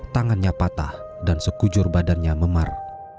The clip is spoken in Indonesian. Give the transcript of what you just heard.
tangannya patah dan sekujur badannya memar